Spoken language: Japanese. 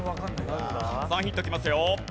さあヒントきますよ。